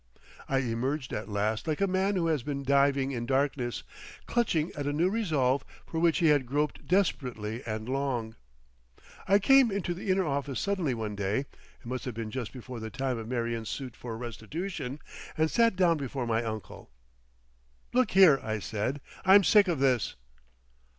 I emerged at last like a man who has been diving in darkness, clutching at a new resolve for which he had groped desperately and long. I came into the inner office suddenly one day—it must have been just before the time of Marion's suit for restitution—and sat down before my uncle. "Look here," I said, "I'm sick of this."